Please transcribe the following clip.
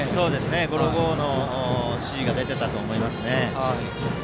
ゴロゴーの指示が出ていたと思いますね。